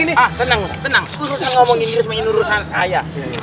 ini urusan saya